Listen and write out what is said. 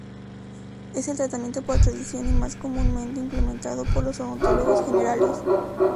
Es el tratamiento por tradición y más comúnmente implementado por los odontólogos generales.